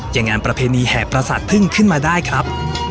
อย่างงานประเพณีแห่ประสาทพึ่งขึ้นมาได้ครับ